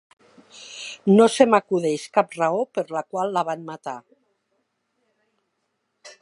No se m'acudeix cap raó per la qual la van matar.